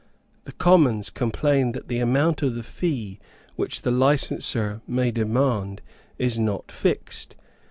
The Commons complain that the amount of the fee which the licenser may demand is not fixed.